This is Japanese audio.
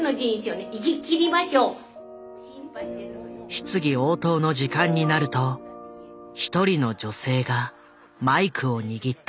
質疑応答の時間になると一人の女性がマイクを握った。